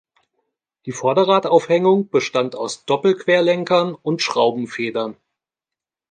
Die Vorderradaufhängung bestand aus Doppelquerlenkern und Schraubenfedern.